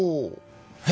え？